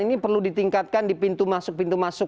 ini perlu ditingkatkan di pintu masuk